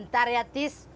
bentar ya tis